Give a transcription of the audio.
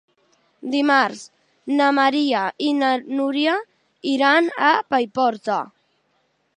Dimarts na Maria i na Núria iran a Paiporta.